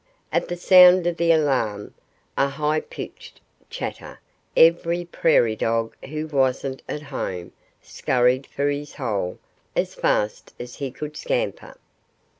At the sound of the alarm a high pitched chatter every prairie dog who wasn't at home scurried for his hole as fast as he could scamper.